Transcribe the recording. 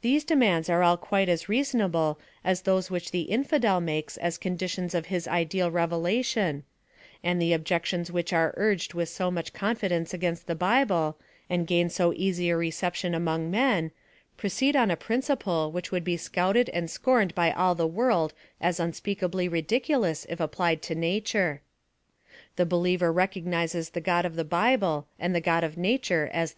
These demands are all quite as reasonable as those which the infidel makes as conditions of his ideal levelalion , and the objections which are urged wih so much confidence against the Bible, and gain so easy a reception among men, proceed on a principle which would be scouted and scorned by all the world as un s[)eakably ridiculous i: applied to nature. The believer recognizes the God of the Bible and the God of nature as.